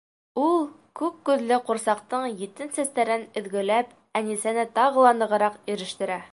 Ул, күк күҙле ҡурсаҡтың етен сәстәрен өҙгөләп, Әнисәне тағы ла нығыраҡ ирештерә.